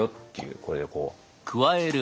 これでこう。